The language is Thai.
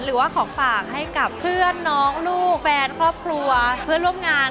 หรือว่าของฝากให้กับเพื่อนน้องลูกแฟนครอบครัวเพื่อนร่วมงาน